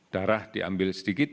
darah diambil sedikit